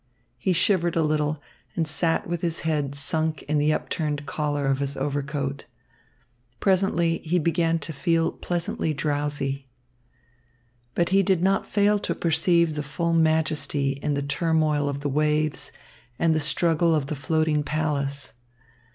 He shivered a little, and sat with his head sunk in the upturned collar of his overcoat. Presently he began to feel pleasantly drowsy. But he did not fail to perceive the full majesty in the turmoil of the waves and the struggle of the floating palace.